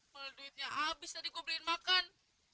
malah duitnya habis tadi gua beliin makan